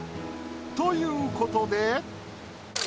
ということで。